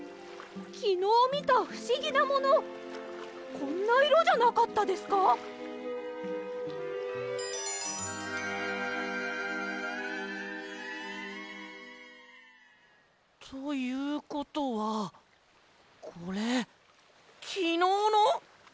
きのうみたふしぎなものこんないろじゃなかったですか？ということはこれきのうの！？